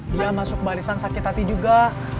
dia masuk barisan sakit hati juga